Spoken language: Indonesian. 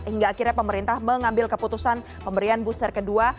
hingga akhirnya pemerintah mengambil keputusan pemberian booster kedua